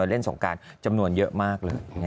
เล่นสงการจำนวนเยอะมากเลย